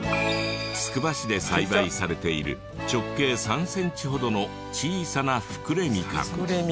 つくば市で栽培されている直径３センチほどの小さな福来みかん。